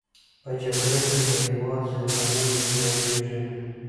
په جګړه کې د هېواد زیربناوې ویجاړېږي.